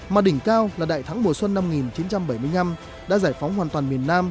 mà đỉnh cao là đại thắng mùa xuân năm một nghìn chín trăm bảy mươi năm đã giải phóng hoàn toàn miền nam